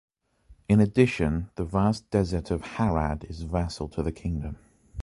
In addition, the vast desert of Harad is vassal to the kingdom.